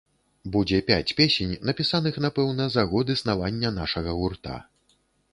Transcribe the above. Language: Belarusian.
Будзе пяць песень, напісаных, напэўна, за год існавання нашага гурта.